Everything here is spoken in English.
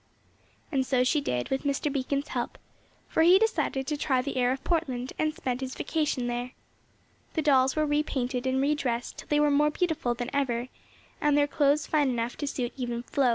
And so she did with Mr. Beacon's help, for he decided to try the air of Portland, and spent his vacation there. The dolls were re painted and re dressed till they were more beautiful than ever, and their clothes fine enough to suit even Flo.